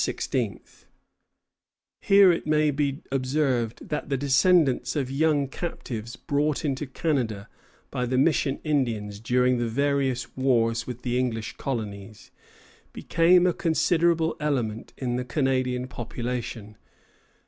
Here it may be observed that the descendants of young captives brought into Canada by the mission Indians during the various wars with the English colonies became a considerable element in the Canadian population.